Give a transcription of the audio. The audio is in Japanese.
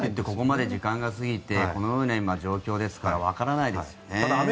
ここまで時間が過ぎてこのような状況だからわからないですよね。